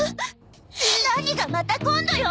何が「また今度」よ！